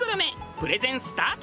プレゼンスタート。